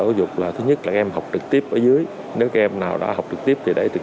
của học sinh thứ nhất là các em học trực tiếp ở dưới nếu các em nào đã học trực tiếp thì để trực